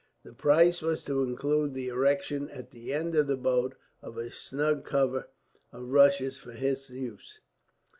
The price was to include the erection, at one end of the boat, of a snug cover of rushes for his use.